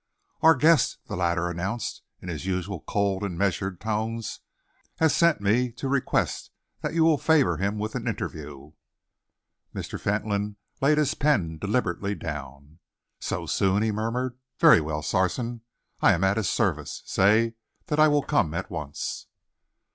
"Our guest," the latter announced, in his usual cold and measured tones, "has sent me to request that you will favour him with an interview." Mr. Fentolin laid his pen deliberately down. "So soon," he murmured. "Very well, Sarson, I am at his service. Say that I will come at once."